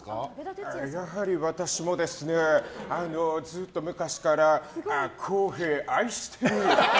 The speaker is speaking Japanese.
やはり私もですねずっと昔から康平、愛してる。